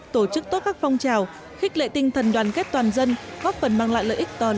tổ chức tốt các phong trào khích lệ tinh thần đoàn kết toàn dân góp phần mang lại lợi ích to lớn hơn